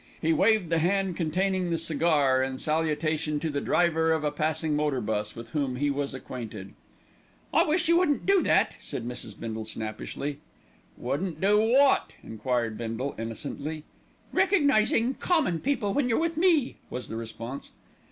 He waved the hand containing the cigar in salutation to the driver of a passing motor bus with whom he was acquainted. "I wish you wouldn't do that," said Mrs. Bindle snappishly. "Wouldn't do wot?" enquired Bindle innocently. "Recognising common people when you're with me," was the response.